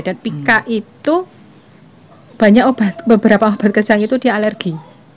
dan pika itu banyak obat beberapa obat kejang itu dia alergi